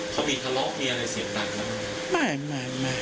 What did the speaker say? เขามีคล้อมีอะไรเสียงดังนะ